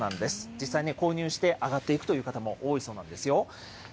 実際に購入して上がっていくという方も多いそうなんですよ。